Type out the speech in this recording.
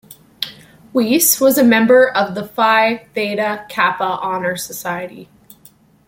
Weiss was a member of the Phi Theta Kappa Honor Society.